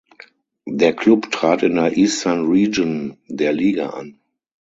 Der Klub trat in der Eastern Region der Liga an.